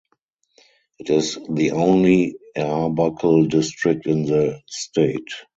It is the only Arbuckle District in the state.